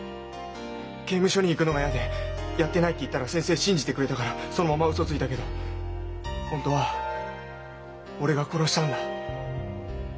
刑務所に行くのが嫌で「やってない」って言ったら先生信じてくれたからそのままウソついたけど本当は俺が殺したんだ。